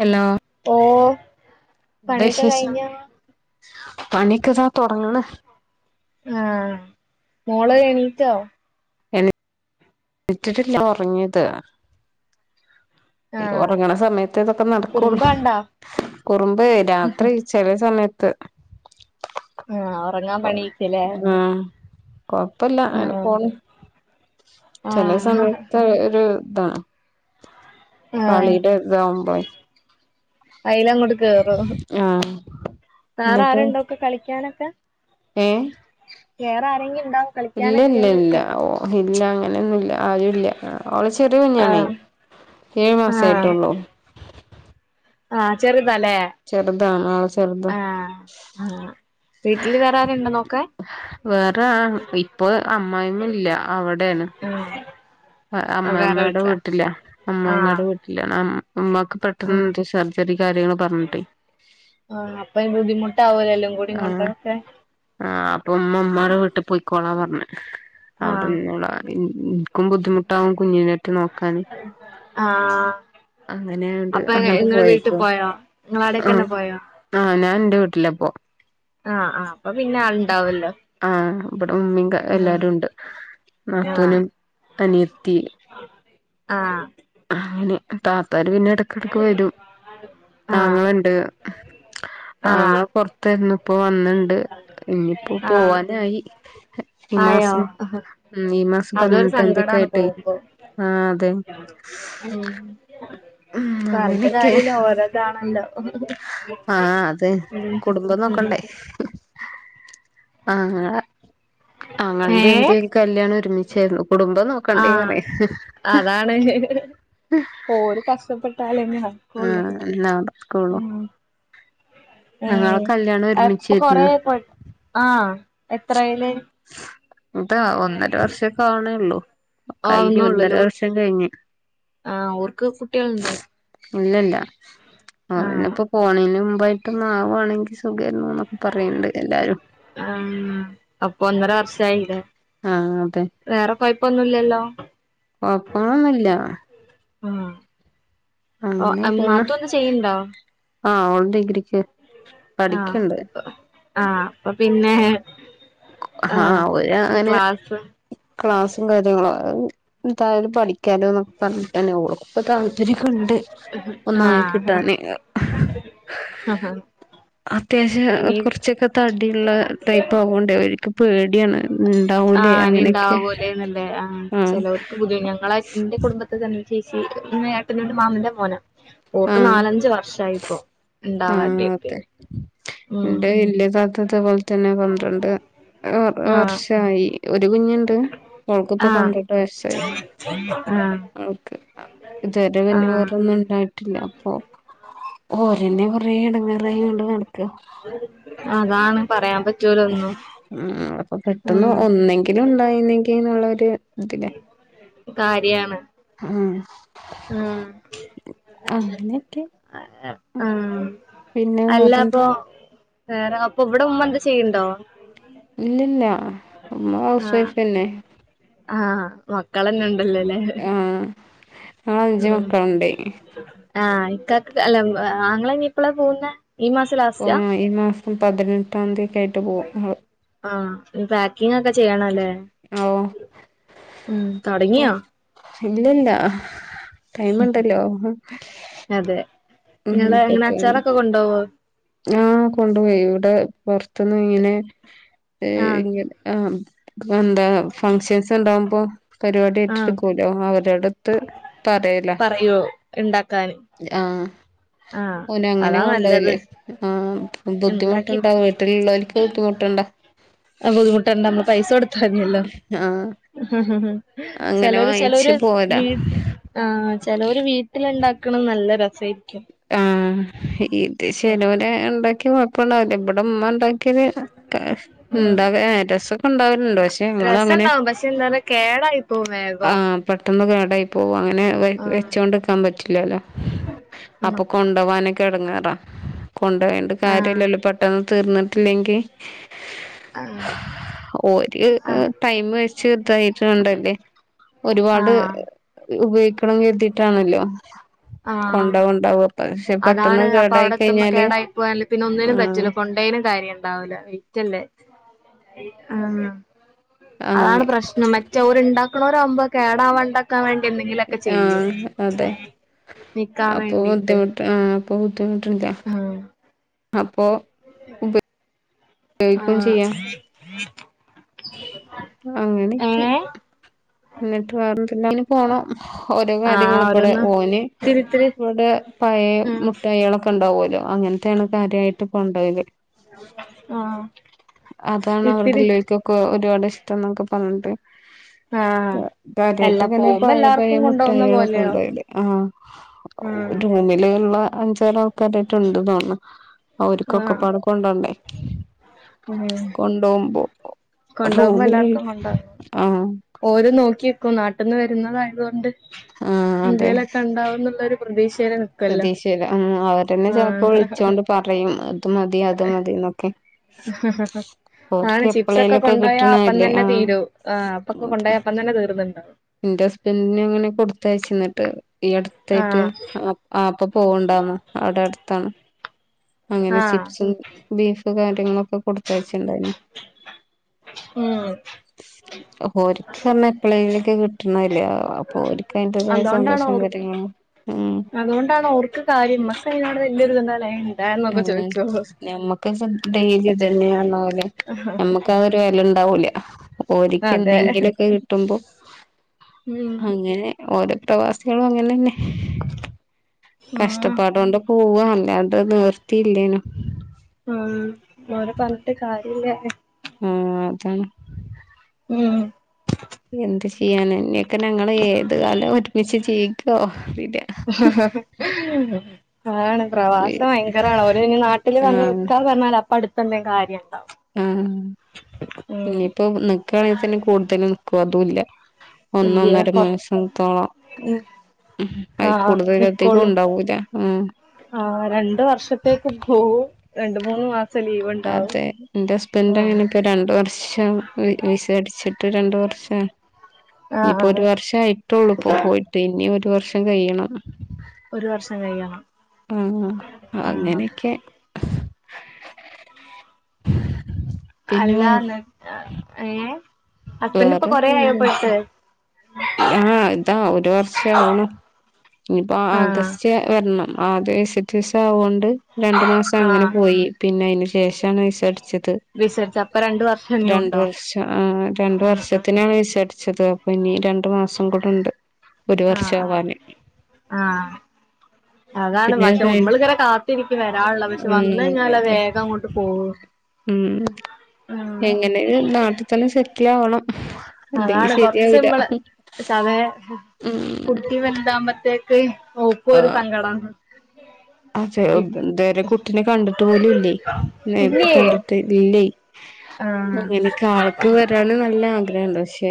Hello ഓ പണിയൊക്കെ കഴിഞ്ഞോ? പണിക്ക്താ തൊട്ങ്ണ് ആ മോള് എണീറ്റോ? എണീ [inaudible] ല്ലേ ഉറങ്ങിയത്. ഈ ആഹ് ഉറങ്ങണ സമയത്തെ ഇതൊക്കെ നടക്കൊള്ളൂ. കുറുമ്പ് കണ്ടോ കുറുമ്പ് രാത്രി ചെല സമയത്ത്. ആഹ് ഉറങ്ങാൻ ഒ പണിയിക്കല്ലേ ഉം കൊഴപ്പല്ല അങ്ങനെ ആഹ് പോണ്. ചില ആഹ് സമയത്ത് രു താണ് ആഹ് കളിയുടെ താഉമ്പളെ അയ്ന് അങ്ങോട്ട് കേറോ ആഹ് സാറ എന്നിട്ട് ആരുണ്ടോക്കെ കളിക്കാനൊക്കെ? ഏഹ് വേറെ ആരെങ്കി ഇല്ല ഇല്ല ഇല്ല ഓ ഇല്ല അങ്ങനെയൊന്നൂല്ല ആരു ഇല്ല അവളെ ചെറിയ കുഞ്ഞാണേ. ആഹ് ഏഴ് മാസ ആയിട്ടുള്ളൂ ആ ചെറുതാല്ലേ. ചെറുതാണ് ആള് ചെറുതാ ആ ആ വീട്ടില് വേറാരുണ്ടൊ നോക്കാൻ? വേറെ അം ഇപ്പ അമ്മായിമ്മ ഇല്ല അവിടേണ് ആഹ് അ വേറെ അമ്മായിമ്മടെ വീട്ടിലാ വീട്ടില. ആഹ് അമ്മായിമ്മടെ വീട്ടിലാണ്. അം ഇമ്മാക്ക് ആഹ് പെട്ടെന്ന് സർജറി കാര്യങ്ങൾ പറഞ്ഞിട്ടെ ആഹ് അപ്പൊ ബുദ്ധിമുട്ടാവൂലോ എല്ലാം കൂടി ആ കൊണ്ടൊക്കെ ആ അപ്പൊ ഉമ്മഉമ്മാടെ വീട്ടി പൊയിക്കോളാ പർഞ് ആഹ് അവിടെന്നോളാർഞ് ൻ ൻ ഇൻക്കും ബു ദ്ധിമുട്ടാവും കുഞ്ഞിനെട്ട് നോക്കാന്. ആഹ് അങ്ങനെയായോണ്ട് അപ്പൊ അങ്ങട്ട് ഇങ്ങള് വീട്ടി പോയേക്കാ പോയോ ആ ഇങ്ങളാടേക്കന്നെ പോയോ ആ ഞാൻ ൻറെ വീട്ടിലപ്പോ ആ ആ ആൾ ണ്ടാവല്ലോ ആഹ് ഇവിടെ ഉമ്മീം ക എല്ലാരും ഉണ്ട് ആഹ് നാത്തൂനും അനിയത്തി ആഹ് അങ്ങനെ താത്താര് പിന്നെ ഇടക്കിടക്ക് വരും ആഹ് ആങ്ങളണ്ട് ആഹ് ആങ്ങള പൊർത്തായിരുന്നു. ഇപ്പോ വന്നിണ്ട് ഇനിയിപ്പോ ആഹ് പോവാനായി ഈ ആയോ മാസം ഉം ഈ മാസം പത് അതൊരു നെട്ടാന്തിക്കെ സങ്കടാണ് ആയിട്ടേ പോകുമ്പോ ആ അതെ ഉം ഉം പറിൻട്ട് അങ്ങനെയൊക്കെ കാര്യല്ല ഓരോതാണല്ലോ ആ അതെ. കുടുംബം നോക്കണ്ടേ ആങ്ങള ആങ്ങളന്റെ എൻറെം കല്യാണം ഒരുമിച്ചായിരുന്നു. കുടുംബം ആ നോക്കണ്ടേ പറയാ അതാണ് ഓര് കഷ്ടപ്പെട്ടാലന്ന നക്കൊള്ളൂ ആഹ് എന്നാ സ്കൂളും ഉം ഞങ്ങളെ ഉം കല്യാണം അപ്പൊ ഒരുമിച്ചായിരുന്നു കൊറേ പട് ആ എത്രയ്ല്? ഇതാ ഒന്നര വർഷേ കാണെള്ളൂ. കഴിഞ്ഞ് ഒന്നര വർഷം കഴിഞ്ഞ്. ആ ഓർക്ക് കുട്ട്യേളുണ്ടോ? ഇല്ലല്ല അവന് പ്പൊ പോണേന് മുമ്പായിട്ടൊന്ന് ആവാണെങ്കി സു തെന്നൊക് പറയ്ണ്ട് എല്ലാരും ആഹ് അപ്പൊ ഒന്നര വർഷ ആയില്ലേ ആ അതെ പ്പൊന്നില്ലല്ലോ? കൊഴപ്പങ്ങന്നൂല്ല ആ ഒ പോണ് നാത്തൂ ന്തേ ചെയ്യ്ണ്ടാ? ആഹ് ഓള് ഡിഗ്രിക്ക് പഠിക്ണ്ട്. ആ അപ്പ പിന്നേ ആഹ് ഓരങ്ങനെ ക്ലാസും കാര്യങ്ങളും അഹ് തായാലു പഠി ക്കാലോന്നൊക്കെ പറഞ്ഞിട്ടെന്നെ ഓളുക്കുംപ്പൊ താല്പര്യൊക്കെണ്ട്, ഒന്നായി കിട്ടാന് ഹ ഹ ഹ അത്യാവശ്യം കുർച്ചൊക്കെ തടിയുള്ള ടൈപ്പ് ആവോണ്ടരി ആ അങ്ങനെയൊക്കെ അനേണ്ടാവോലേന്നല്ലേ ആ ആഹ് ചെലോര്ക്ക് പുതിയെ ഞങ്ങളായി ന്റെ കുടുംബത്ത്ന്നനീച്ച് ഈ ന്ന് ഏട്ടനട് മാമന്റെ മോന ഓർക്ക് ആഹ് നാലഞ്ചു വർഷായിപ്പോ ഉണ്ടാവാണ്ടിട്ട് ആതെ ഉം ഇന്റെ വല്ല്യേതാത്ത ഇതുപോലെതന്നെ പന്ത്രണ്ട് [unintelligible] ആഹ് വർഷായി ഒരു കുഞ്ഞുണ്ട് അവൾക്കിപ്പോ, ആഹ് പന്ത്രണ്ട്, വയസായി ആഹ് ഓക്കെ ഇതുവരെ പിന്നെ ആഹ് വേറെന്നും ഇണ്ടായിട്ടില്ല അപ്പൊ ഓരന്നെ കൊറേ എടങേറായിങ്ങാണ്ട് നടക്ക അതാണ് പറയാൻ പ മ്മ് അപ്പൊ പെട്ടന്ന് ഉം ഒന്നെങ്കിലും ഇണ്ടായിന്നെങ്കിന്ന്ള്ളൊര് [unintelligible] മ് ആഹ് അങ്ങനെയൊക്കെ ആഹ് പിന്നെ അല്ല വേറെന്ത് അപ്പൊ വേറെ അപ്പൊ ഇവിടെ ഉമ്മ എന്ത ചെയ്യണ്ടോ ഇല്ലല്ല ഉമ്മ ഹൗസ് വൈഫെന്നെ. ആഹ മക്കളന്നെണ്ടല്ലോല്ലേ ആഹ് ഞങ്ങള് അഞ്ചു മക്കളുണ്ടേയ് ആഹ് ഇക്കാക്ക് അല്ല മ്മ് ആങ്ങളഞ്ഞി എപ്പളാ പോവുന്നെ. ഓൻ ഈ മാസം പതിനെട്ടാന്തിയൊക്കായിട്ട് പോവുംഅഹ് ആ ന്ന് പാക്കിങ്ങൊക്കെ ചെയ്യണം ലേ ആള് മ്മ് ഓ തൊടങ്ങിയോ ഇല്ലല്ല ഹ് ടൈമ്ണ്ടല്ലോ അതെ മ്മ് നിങ്ങള് എങ്ങനെ പറ്റാണെങ്കി അച്ചാറൊക്കെ കൊണ്ടോവോ [unintelligible] ആ കൊണ്ട് പോയി ഇവടെ പൊർത്തിന്ന് മീന് ഇ ആഹ് ങ്ങനെ അ എന്താ ഫങ്ഷൻസ്ണ്ടാവുമ്പോ പരിപാടി ആഹ് ഏറ്റെടുക്കുല്ലോ അവരടുത്ത് പറയല പറയോ ഇണ്ടാ ആഹ് ആ. ഓനങ്ങനെ കൊണ്ടോവല് ആ ഇണ്ടാക്കി ബുദ്ധിമുട്ടണ്ട വീട്ടിലുള്ളോർക്ക് ബുദ്ധിമുട്ടേണ്ട അ ബുദ്ധിമുട്ട്ണ്ടാ അമ്മള് പൈസ കൊട്ത്താതിയല്ലോ ആഹ് അങ്ങനെ ചെലോര് വാങ്ങിച്ച് ചെലോര് പോരാ വീട്ടി ആ ചെലൊര് വീട്ടി ഇണ്ടാക്ണ നല്ല രസായ്രിക്കും. ആ ഇത് ചെലോല് ഇണ്ടാക്കിയ കൊയ്പ്പണ്ടാവൂല ഇബടെമ്മ ണ്ടാക് ക്കിയാല് ക ഉം ണ്ടാക ഏ രസൊക്കെ ണ്ടാവലിണ്ട് പശ്ശെ മ്മളങ്ങനെ നെ കേടായി പോവും ആ വേഗം പെട്ടന്ന് കേടായി പോവും അങ്ങനെ ആഹ് വെച്ചോണ്ടിക്കാൻ പറ്റില്ലല്ലോ ഒന്നോ അപ്പൊ കൊണ്ടോവാനൊക്കെ എടെങ്ങേറാ കൊണ്ടോയോണ്ട് ആഹ് കാര്യല്ലലോ പെട്ടന്ന് തീർന്നിട്ടില്ലെങ്കി ആഹ് ഒര് ആഹ് ഉം ടൈംമ് വെച് ച്ച് തായിട് കൊണ്ടല്ലേ ഒരുപാട് ആഹ് ഉപയോഗിക്കണം കെരുതിട്ടാണല്ലോ ആഹ് കൊണ്ടാവുണ്ടാവും പക്ഷെ പെട്ടെന്ന് അതാണ് അപ്പൊ കേടായി അവിടെ കയ്ഞ്ഞാല്, ആ ന്തേലും കാര്യണ്ടാവൂല വെയ്റ്റല്ലേ ഉം ആഹ് അതാണ് പ്രശ്നം മറ്റേ ഓര്ണ്ടാക്ക്ണോരാവുമ്പോ കേടാവണ്ടാക്കാൻ വേണ്ടി എന്തെങ്കിലൊക്കെ ചെയ്യും ആഹ അതെ നിക്കാൻ അപ്പൊ വേണ്ടീട്ട് ബുദ്ധിമുട്ട് ആഹ ഇപ്പൊബുദ്ധിമുട്ടന്ല്ലേ ആഹ് അപ്പൊ ഉപ യോഗിക്കും ആഹ് ചെയ്യ അങ്ങനെയക്കെ ഏഹ് ന്നിട്ട് വേറെ പിന്നോന് പോണം ഓരോ ആഹ് കാര്യങ്ങള് ബ ടെ ഓരോന്ന് ഓന് ഇത്തിരി ഇത്തിരി ഇവടെ പയെ ഉം മുട്ടാ യേള ക്കെ ഉണ്ടാവോലോ അങ്ങൻ ത്തെണ് കാര്യയിട്ട് കൊണ്ടോക ല് ആഹ് അതാണ് അവരുടെ ഇത്തിരി ഇള്ളോല്ക്കൊക്കെ ഒരുപാട് ഇഷ്ടംന്നൊക്കെ പറഞ്ഞിട്ട് ആഹ് [inaudible] എല്ലാ കാര്യയിട്ടൊക്കങ്ങനെ പോകുമ്പോ പഴയ പഴയ എല്ലാർക്കും കൊണ്ടോവുന്ന മുട്ടായികള പോലെയോ കൊണ്ടോകല് ആഹ ഒ ഉം റൂമിൽ ഉള്ള അഞ്ചാറ് ആൾക്കാര് ഇണ്ട് തോന്ന് ന്നു അവര് ക്കൊക്കെ ആഹ് പാടെ കൊണ്ടോണ്ടേ കൊണ്ടോ വു മ്പോ കൊണ്ടോവു മ്പോ എല്ലാർക്കും കൊണ്ടോ ഓര് നോക്കി നാട്ടിന്ന് വരുന്നതായത് കൊണ്ട് ആഹ് എന്തെലൊ ക്കെ ഉണ്ടാവുന്ന ള്ള രു പ്രതീക്ഷ പ്രതീക്ഷയില ആ അവരന്നെ ആഹ് ചിലപ്പോ വിളിച്ചോണ്ട് പറയും അതു മതി അത് മതി ന്നൊക്കെ ആണ് ചിപ്സ് ഒക്കെ കൊണ്ടോ യാ അപ്പം തന്നെ ആഹ് തീരും ആ അപ്പൊക്കെ കൊണ്ടോ അതെ യ അപ്പം തന്നെ തീർന്ന് ട്ട് ണ്ടാ എന്റെ ഹസ്ബന്റിന് അങ്ങനെ കൊടുത്തയച്ചു ന്നിട്ട് ഈ അടുത്തായിട്ട് ആഹ് ആ ആ പ്പാ പോവ് ണ്ടാന്നു അവിടെ അടുത്താണ് അങ്ങനെ ആഹ് ചിപ്സും ബീഫ് കാര്യങ്ങളൊക്കെ കൊടുത്തയച്ചുണ്ടായിഞ്ഞു ഉം അപോ ഒരിക്കെ ർ ഞ്ഞഎ പ്പളെ ങ്കി കിട്ട് ണ ല്ലേ അപ്പോ ഒര് ക്ക് അതുകൊണ്ടാണ് ഓർ ഉം അതുകൊണ്ടാണ് ഓർക്ക് കാര്യം മ്മ ക്കൈ നോട്‌ [unintelligible] തന്നെ ഞമ്മക്ക് ചെൽ ഡെയിലി ഇതന്നെർന പോലെ നമ്മക്ക് അതൊരു വെ ല ണ്ടാവൂല ഓരിക്ക് അതെ എന്തെങ്കിലൊക്കെ കിട്ടുമ്പോ ഉം അങ്ങനെ ഓരോ പ്രവാസികളും അങ്ങനെ ന്നെ ആഹ് കഷ്ടപ്പാട് കൊണ്ട് പോവാ അല്ലാണ്ട് നീ ർത്തിയില്ലെ നോ ആ ഓ ലെ പറഞ്ഞിട്ട് കാര്യമില്ലാ ല്ലെ ആ താണ് ഉം യ്യാൻ എന്നെക്കെ ഞങ്ങൾ ഏത് കാലം ഒരുമിച്ച് ജീവിക്കോ അറിയില്ല അതാണ് പ്രവാസം ഭയങ്കരാണ് ഓ ര് ഇനി നാട്ടില് വന്ന് നിൽക്ക പറഞ്ഞാല് അപ്പൊ അടുത്ത [unintelligible] കാര്യം ഇണ്ടാവും ആ ഉം ഇനീ പ്പോനി ക്കാ ണെങ്കിതന്നെ കൂടുതൽ നി ക്കോ അതും ല്ല ഇല്ല്യ ഒന്നൊന്നര കൊർ മാസത്തോളം ഉം അയ് ആഹ് കൂടുതൽ അധികം ഉണ്ടാവൂല്ല ആ രണ്ട വർഷത്തേക്ക് പോവും രണ്ടു മൂന്ന് മാസം ലീവ് ഇണ്ടാവും അതെ എന്റെ ഹസ്ബൻഡ് ആഹ് അങ്ങനെപ്പോ രണ്ട്‌ വർഷം വിസ അടിച്ചി രണ്ടു വർഷാ ആഹ് ഇനിപ്പോ ഒരു ആഹ് വർഷയിട്ടൊ ള്ളൂ ഇപ്പൊ പോയിട്ട് ഇനി രു വർഷം കഴിയണം ഒരു വർഷം കഴിയണം ആഹ ആഹ് അങ്ങനെയൊക്കെ പിന്നെ അല്ല ഏ ഹസ്ബൻന്റ് ഇപ്പൊ കൊറേ ആയോ പോയിട്ട് ആഹ ഇതാ ഒരു വർഷ ആവുണു ഇനിപ്പോ ആഹ് ആഗസ്റ്റ് വര് ണം ആ അത് വി സിറ്റ് വിസ ആവോ ണ്ട് രണ്ടു മാസം അങ്ങനെ ആഹ് പോയി പിന്നെ അയ് ന് ശേഷാണ് വിസ അടിച്ചത് വിസരിച്ച് അപ്പൊ രണ്ട് വർഷം ഇനിയും രണ്ടു ഉണ്ടാവും വർഷം ആ രണ്ടു ഉം ഉം വർഷത്തിനാണ് വിസ ച്ചത് അപ്പൊ നി രണ്ടു മാസം കൂടെ ണ്ട് ഒരു വർഷ ആഹ് ആഹ് ആവാന് ആഹ് അതാണ് പിന്നെ അത് പക്ഷെ കഴി ഉമ്മള് ഇങ്ങനെ കാത്തിരിക്കും വരാ ള്ള് പക്ഷെ വന്ന് ഉം കഴിഞ്ഞാലൊ അതെ വേഗം അങ്ങോട്ട് പോകു ഉം എങ്ങനെ ലും നാട്ടിൽ തന്നെ സെറ്റിൽ ആവണം ഇല്ലെങ്കി അതാണ് കൊർ ച്ച് ശരിയാവില്ല മ്മള് തവേ ഉം കുട്ടി വെൽതാവുമ്പ ത്തേക്ക് ഓ ഇപ്പൊ ആ ഒരു സങ്കടം അതെ ഇത് വരെ കുട്ടിനെ കണ്ടിട്ട് പോലും ഇല്ലേ. നേരിട്ട് ഇല്ലേ കണ്ടിട്ട് ഇല്ലേ ആഹ് അങ്ങനൊക്കെ അപ്പ ആൾക്ക് വരാന് നല്ല ആഗ്രഹണ്ട്. പക്ഷെ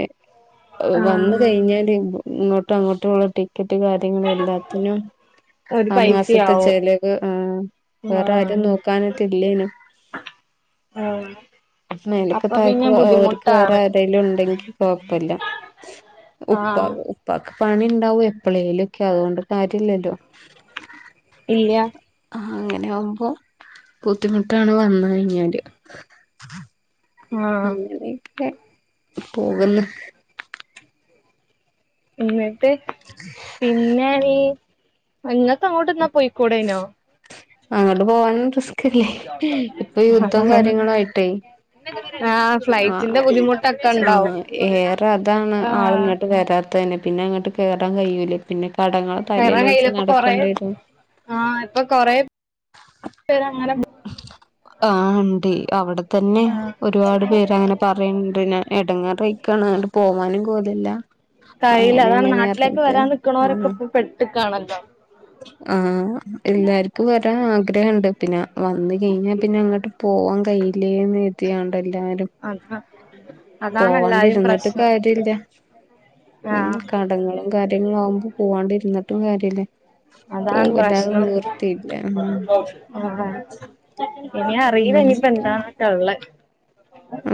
ഏ ഹ് വന്ന് ആഹ് കഴിഞ്ഞാല് ഇങ്ങട്ടും അങ്ങോട്ടൂള്ള ടിക്കറ്റ് കാര്യങ്ങൾ എല്ലാത്തിനും ഒരു ആ മാസ ത്തെ പൈസയാവും ചെലവ് ആ ആഹ് വേറാരും നോക്കാനായിട്ടില്ലേനും ആഹ് മേലൊക്കെ അപ്പൊ പിന്നെ തായക്കൊ ഓര്ക്ക് ബുദ്ധിമുട്ടാണ് വേറാരേലും ണ്ടെങ്കി കൊഴപ്പല്ല. ഉപ്പാ ആഹ് ഉപ്പാക്ക് പണിണ്ടാവും എപ്പളേലൊക്കെ അതുകൊണ്ട് കാര്യല്ലല്ലോ. ഇല്ല്യാ ആഹ് അങ്ങനെ ആവുമ്പോ ബുദ്ധിമുട്ടാണ് വന്ന് കഴിഞ്ഞാല്. ആഹ് അങ്ങനെയൊക്കെ പോകുന്ന് എന്നിട്ട് പിന്നെ വീ ഇങ്ങക്ക് അങ്ങോട്ട്ന്നാ പോയിക്കൂടെയ്നോ? അങ്ങോട്ട് പോവാനും റിസ്കല്ലേ ഇപ്പൊ യുദ്ധവും കാര്യങ്ങളും ആയിട്ടേ ആഹ് ആഹ് ഫ്ലൈറ്റിന്റെ ബുദ്ധിമുട്ടൊക്കെ ആഹ് ഉണ്ടാവും ഏറെ അതാണ് ആഹ് ആളിങ്ങട്ട് വരാത്തതന്നെ പിന്നെ ഇങ്ങട്ട് കേറാൻ കഴിയൂലേ പിന്നെ കടങ്ങൾ തലേൽ കയറാൻ കയ്യില്ല വെച്ച് ഇപ്പൊ കൊറേ നടക്കണ്ടേരും. ആഹ് ഇപ്പൊ കൊറേ പേര് അങ്ങനെ ആഹ് ഇണ്ടേ അവിടെ തന്നെ ആഹ് ഒരുപാട് പേര് അങ്ങനെ പറീണിണ്ട് പിന്നെ എടങ്ങാറായിക്കാ അങ്ങട്ട് പോവാനും കോലല്ല കയ്യില്ല അങ്ങനെ അതാണ് ഇങ്ങനെറഞ്ഞിട്ട് ആഹ് കാണാല്ലോ ആഹ് എല്ലാര്ക്കും വരാ ആ ഗ്രഹണ്ട് പിന്നെ വന്ന് കഴിഞ്ഞാൽ പിന്നെ അങ്ങട്ട് പോവാൻ കഴയില്ലേന്ന് കര്തിആണ് എല്ലാരും അതാ അതാണ് എല്ലാരും പോവാണ്ടിരുന്നിട്ട് പ്രശ്നം കാര്യോം ല്ല ഉം ആഹ് കടങ്ങളും കാര്യങ്ങളും ആവുമ്പോ പോവാണ്ടിരുന്നിട്ടും കാര്യല്ല. അതാണ് പോവും അല്ലാതെ പ്രശ്നം നിവർത്തിയില്ല ഉം ആഹ് ഇനി അറിയില്ല ഇനിയിപ്പന്താട്ടെ ഒള്ളെ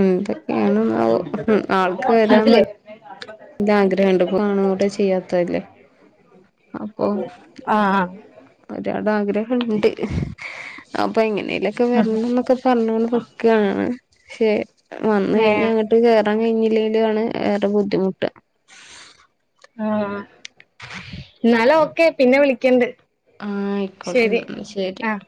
എന്തൊക്കെയാണ്ന്നാവോ ഉം ആൾക്ക് വരാൻ അതിലേ വ ല്ലാഗ്രഹണ്ട് കാണും കൂടെ ചെയ്യാത്തല്ലേ അപ്പൊ ആ ആ ഇണ്ട് അപ്പൊ എങ്ങനെലൊക്കെ വരണംന്നൊക്കെ പറഞ്ഞോണ്ട് നിക്കാണ്. ക്ഷെ വന്ന് കഴിഞ്ഞാ ഏഹ് അങ്ങട്ട് കേറാൻ കഴിഞ്ഞ് ഞ്ഞില്ലേലും ആണ് ഏറെ ബുദ്ധിമുട്ട് ആഹ് ന്നാൽ ഓക്കെ പിന്നെ വിളിക്കണ്ട്. ആഹ് ആയിക്കോട്ടെന്ന ശരി ന്നാ ശരി ആഹ്